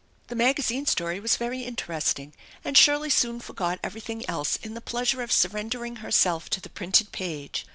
The magazine story was very interesting and Shirley soon forgot everything else in the pleasure of surrendering herself io the printed page.